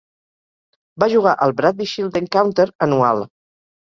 Va jugar al Bradby Shield Encounter anual.